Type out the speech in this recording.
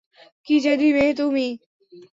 কি জেদি মেয়ে তুমি!